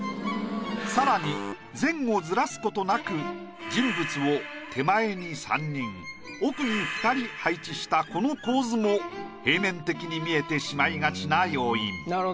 さらに前後ずらすことなく人物を手前に３人奥に２人配置したこの構図も平面的に見えてしまいがちな要因。